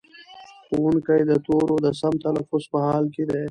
ښوونکی د تورو د سم تلفظ په حال کې دی.